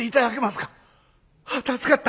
助かった。